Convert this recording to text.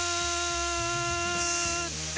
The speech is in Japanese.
って